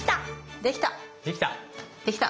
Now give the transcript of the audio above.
できた！